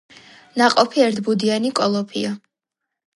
ნაყოფი ერთბუდიანი კოლოფია.